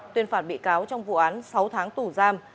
tuyên phạt bị cáo trong vụ án sáu tháng tù giam